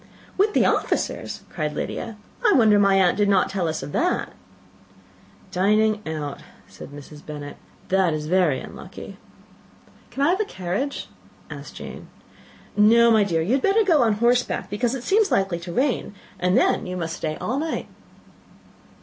"With the officers!" cried Lydia: "I wonder my aunt did not tell us of that." "Dining out," said Mrs. Bennet; "that is very unlucky." "Can I have the carriage?" said Jane. "No, my dear, you had better go on horseback, because it seems likely to rain; and then you must stay all night."